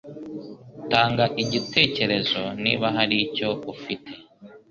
TANGA IGITEKEREZO niba haricyo ufite